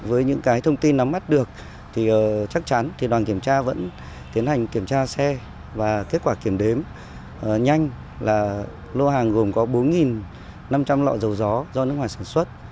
với những thông tin nắm mắt được thì chắc chắn đoàn kiểm tra vẫn tiến hành kiểm tra xe và kết quả kiểm đếm nhanh là lô hàng gồm có bốn năm trăm linh lọ dầu gió do nước ngoài sản xuất